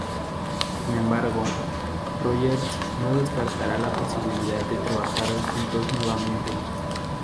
Sin embargo, Rodgers no descarta la posibilidad de trabajar juntos nuevamente.